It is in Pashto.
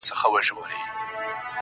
غواړم چي ديدن د ښكلو وكړمـــه.